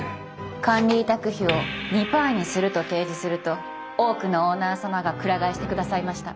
管理委託費を２パーにすると提示すると多くのオーナー様がくら替えしてくださいました。